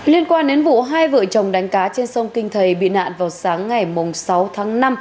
liên quan đến vụ hai vợ chồng đánh cá trên sông kinh thầy bị nạn vào sáng ngày sáu tháng năm